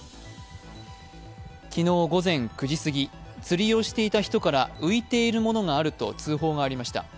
昨日、午前９時すぎ釣りをしていた人から浮いているものがあると通報がありました。